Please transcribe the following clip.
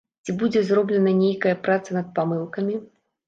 Ці будзе зроблена нейкая праца над памылкамі?